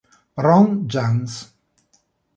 Ron Jans